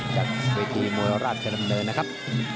จากเวทีมวยราชดำเนินนะครับ